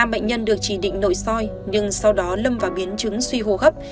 năm bệnh nhân được chỉ định nội soi nhưng sau đó lâm vào biến chứng suy hô hấp